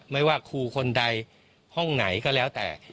ไม่ว่าครูคนใดห้องไหนก็แล้วแต่